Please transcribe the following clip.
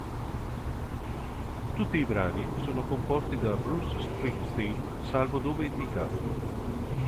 Tutti i brani sono composti da Bruce Springsteen salvo dove indicato